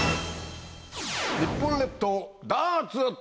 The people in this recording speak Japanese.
日本列島ダーツの旅。